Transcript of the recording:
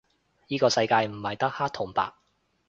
依個世界唔係得黑同白